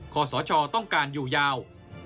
ขอสชต้องการอยู่ยาว